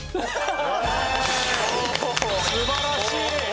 おお。素晴らしい！